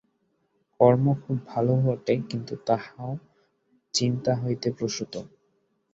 কর্ম খুব ভাল বটে, কিন্তু তাহাও চিন্তা হইতে প্রসূত।